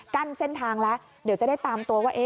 กั้นเส้นทางแล้วเดี๋ยวจะได้ตามตัวว่า